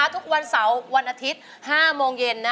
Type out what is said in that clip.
ทุกวันเสาร์วันอาทิตย์๕โมงเย็น